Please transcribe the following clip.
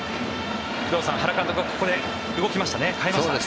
工藤さん、原監督はここで動きましたね。